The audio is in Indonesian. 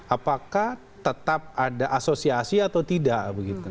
apakah tetap ada asosiasi atau tidak begitu